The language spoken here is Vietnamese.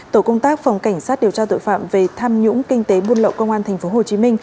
tổ công tác phòng cảnh sát điều tra tội phạm về tham nhũng kinh tế buôn lậu công an tp hcm